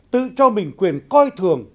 tự cho mình quyền coi thường